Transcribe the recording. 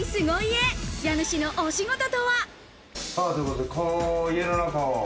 家主のお仕事とは？